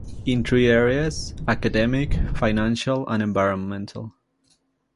In three areas: academic, financial and environmental.